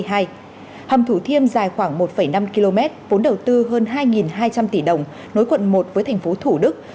hầm thủ thiêm dài khoảng một năm km vốn đầu tư hơn hai hai trăm linh tỷ đồng nối quận một với thành phố thủ đức